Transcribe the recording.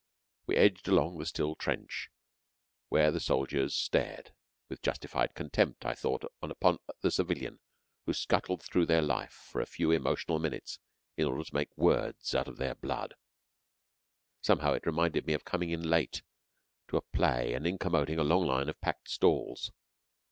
We edged along the still trench, where the soldiers stared, with justified contempt, I thought, upon the civilian who scuttled through their life for a few emotional minutes in order to make words out of their blood. Somehow it reminded me of coming in late to a play and incommoding a long line of packed stalls.